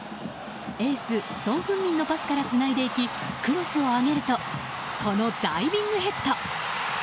エース、ソン・フンミンのパスからつないでいきクロスを上げるとこのダイビングヘッド。